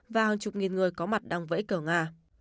và hàng chục nghìn người có mặt đang vẫy cờ nga